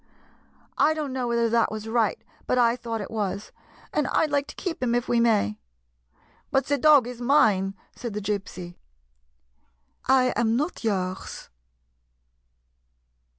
I don't know whether that was right, but I thought it was. And I 'd like to keep him if we may." " But the dog is mine," said the Gypsy. " I am not yours."